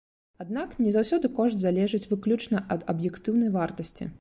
Аднак, не заўсёды кошт залежыць выключна ад аб'ектыўнай вартасці.